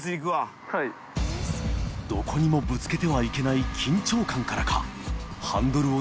磴匹海砲ぶつけてはいけない緊張感からか魯鵐疋